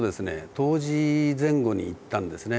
冬至前後に行ったんですね。